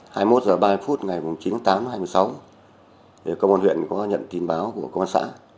hai mươi một h ba mươi phút ngày chín tám hai mươi sáu công an huyện có nhận tin báo của công an xã